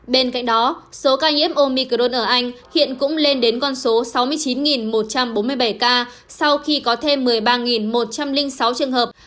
bên cạnh đó số ca nhiễm omicron ở anh hiện cũng lên đến con số sáu mươi chín một trăm bốn mươi bảy ca sau khi có thêm một mươi ba một trăm linh sáu trường hợp